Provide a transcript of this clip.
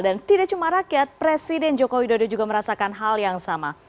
dan tidak cuma rakyat presiden joko widodo juga merasakan hal yang sama